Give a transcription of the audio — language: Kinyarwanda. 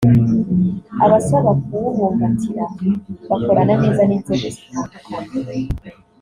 abasaba kuwubumbatira bakorana neza n’inzego zitandukanye